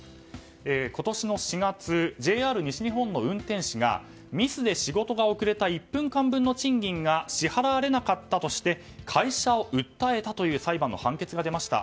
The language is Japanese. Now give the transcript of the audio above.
今年の４月ＪＲ西日本の運転士がミスで仕事が遅れた１分間分の賃金が支払われなかったとして会社を訴えたという裁判の判決が出ました。